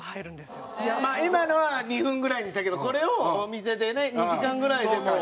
まあ今のは２分ぐらいにしたけどこれをお店でね２時間ぐらいでもう。